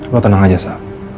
lo tenang aja sa